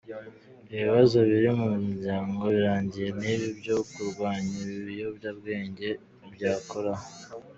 Ibibazo biri mu muryango birangiye n’ibi byo kurwanya ibiyobyabwenge byakoroha.